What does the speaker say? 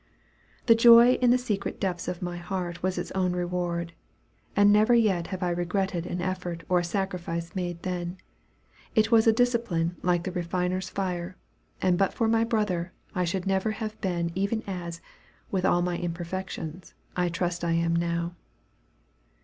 The joy in the secret depths of my heart was its own reward; and never yet have I regretted an effort or a sacrifice made then. It was a discipline like the refiner's fire, and but for my brother, I should never have been even as, with all my imperfections, I trust I am now.